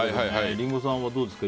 リンゴさんはどうですか？